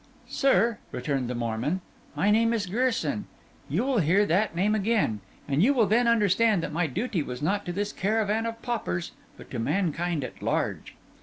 'Sir,' returned the Mormon, 'my name is Grierson: you will hear that name again; and you will then understand that my duty was not to this caravan of paupers, but to mankind at large.